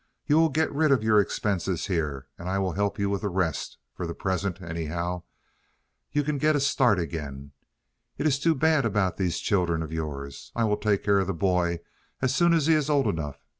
You will get rid of your expenses here, and I will help you with the rest—for the present, anyhow. You can get a start again. It is too bad about these children of yours. I will take care of the boy as soon as he is old enough.